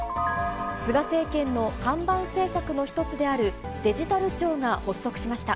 菅政権の看板政策の一つであるデジタル庁が発足しました。